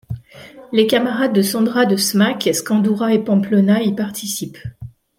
Les camarades de Sandra de Smack, Scandurra et Pamplona, y participent.